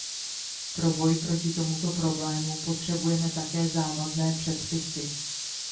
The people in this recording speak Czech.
Pro boj proti tomuto problému potřebujeme také závazné předpisy.